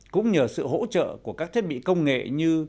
cũng nhờ sự hỗ trợ của các thiết bị công nghệ như